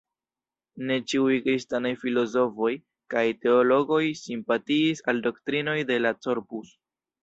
Ne ĉiuj kristanaj filozofoj kaj teologoj simpatiis al doktrinoj de la "Corpus".